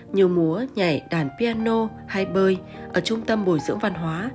như múa nhảy đàn piano hay bơi ở trung tâm bồi dưỡng văn hóa